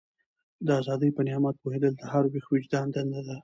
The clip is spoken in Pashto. د ازادۍ په نعمت پوهېدل د هر ویښ وجدان دنده ده.